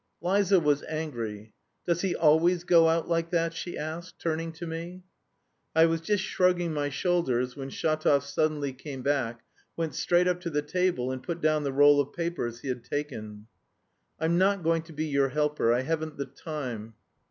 Liza was angry. "Does he always go out like that?" she asked, turning to me. I was just shrugging my shoulders when Shatov suddenly came back, went straight up to the table and put down the roll of papers he had taken. "I'm not going to be your helper, I haven't the time...."